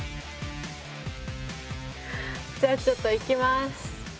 じゃあちょっといきます。